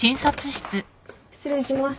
失礼します。